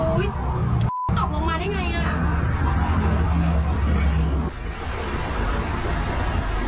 โอ้ยตกลงมาได้ไงอ่ะ